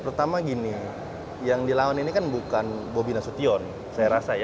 pertama gini yang dilawan ini kan bukan bobi nasution saya rasa ya